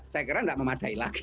saya kira tidak memadai lagi